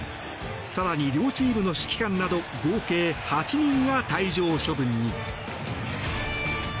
更に、両チームの指揮官など合計８人が退場処分に。